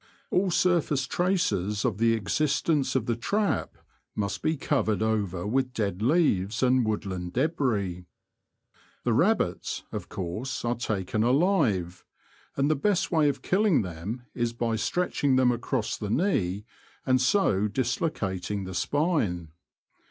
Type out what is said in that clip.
All surface traces of the existence of the trap must be covered over with dead leaves and woodland debris. The rabbits, of course, are taken alive^ and the best way of killing them is by stretching them across the knee, and so dislo cating the spine.